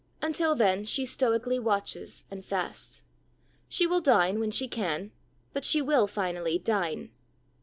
Until then, she stoically watches and fasts. She will dine when she can; but she will finally dine.